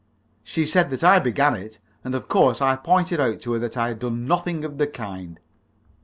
She said that I began it, and of course I pointed out to her that I had done nothing of the kind.